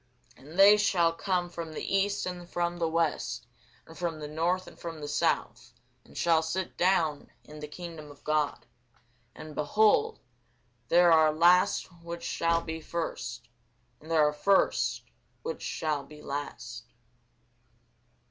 And they shall come from the east, and from the west, and from the north, and from the south, and shall sit down in the kingdom of God. And, behold, there are last which shall be first, and there are first which shall be last.